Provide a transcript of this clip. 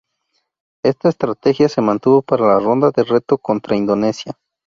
Esta estrategia se mantuvo para la Ronda de Reto contra Indonesia.